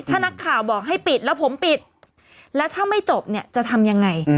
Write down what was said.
ถ้านักข่าวบอกให้ปิดแล้วผมปิดแล้วถ้าไม่จบเนี่ยจะทำยังไง